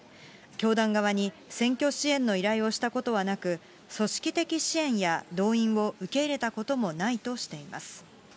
教団側に選挙支援の依頼をしたことはなく、組織的支援や動員を受け入れたこともないとしています。